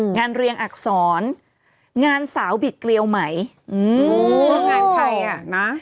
เรียนอักษรงานสาวบิดเกลียวไหมอืมงานใครอ่ะนะ